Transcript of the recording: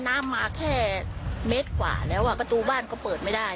น้ำมาแค่เมตรกว่าแล้วอ่ะประตูบ้านก็เปิดไม่ได้